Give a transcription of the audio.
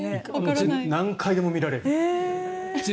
何回でも見られる。